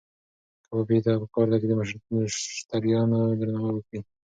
کبابي ته پکار ده چې د مشتریانو درناوی وکړي.